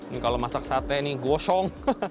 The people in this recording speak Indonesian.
ini kalau masak sate ini gosong